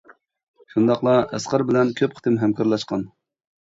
شۇنداقلا ئەسقەر بىلەن كۆپ قېتىم ھەمكارلاشقان.